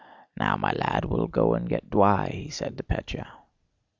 "Now, my lad, we'll go and get dwy," he said to Pétya.